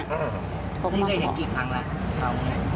นี่ก็ใช้กี่ครั้งแล้ว